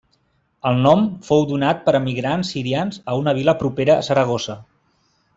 El nom fou donat per emigrants sirians a una vila propera a Saragossa.